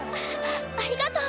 あありがとう！